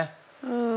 うん。